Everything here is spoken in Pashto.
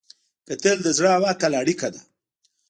کتل د زړه او عقل اړیکه ده